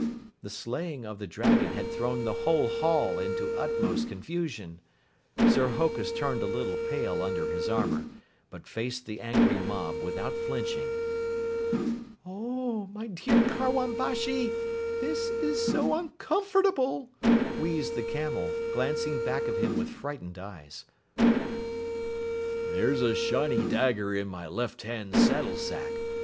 The slaying of the dragon had thrown the whole hall into utmost confusion. Sir Hokus turned a little pale under his armor, but faced the angry mob without flinching. "Oh, my dear Karwan Bashi, this is so uncomfortable!" wheezed the camel, glancing back of him with frightened eyes. "There's a shiny dagger in my left hand saddlesack.